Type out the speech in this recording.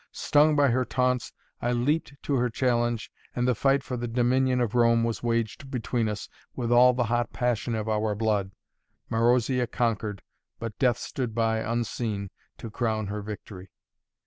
Stung by her taunts I leaped to her challenge and the fight for the dominion of Rome was waged between us with all the hot passion of our blood, Marozia conquered, but Death stood by unseen to crown her victory.